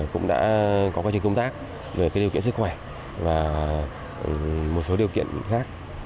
cũng đã có quá trình công tác về điều kiện sức khỏe và một số điều kiện khác